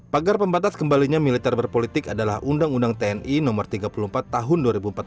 pagar pembatas kembalinya militer berpolitik adalah undang undang tni no tiga puluh empat tahun dua ribu empat belas